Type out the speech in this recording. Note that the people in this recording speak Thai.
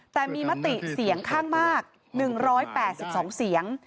แต่มีมติเสียงข้างมาก๑๘๒เสียง